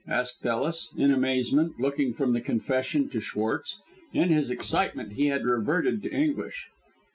asked Ellis, in amazement, looking from the confession to Schwartz. In his excitement he had reverted to English.